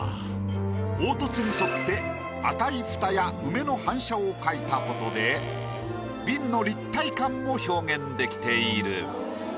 凹凸に沿って赤い蓋や梅の反射を描いた事で瓶の立体感も表現できている。